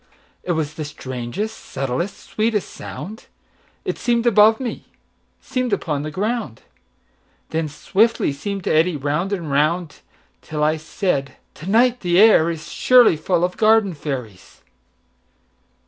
It was the strangest, subtlest, sweetest sound:It seem'd above me, seem'd upon the ground, Then swiftly seem'd to eddy round and round, Till I said: "To night the air isSurely full of garden fairies."